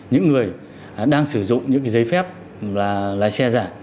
những người đang sử dụng những cái giấy phép lái xe giả